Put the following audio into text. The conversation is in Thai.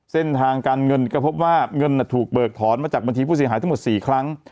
เส้นทางการเงินก็พบว่าเงินถูกเบิกถอนมาจากบัญชีผู้เสียหายทั้งหมด๔ครั้ง